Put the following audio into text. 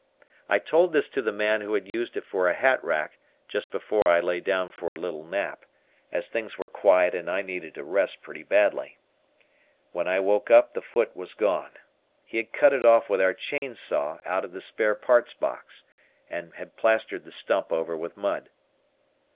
I told this to the man who had used it for a hat rack just before I lay down for a little nap, as things were quiet and I needed a rest pretty badly. When I woke up the foot was gone. He had cut it off with our chain saw out of the spare parts' box, and had plastered the stump over with mud.